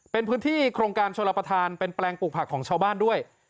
เป็นพื้นที่โครงการชนรับประทานเป็นแปลงปลูกผักของชาวบ้านด้วย